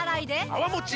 泡もち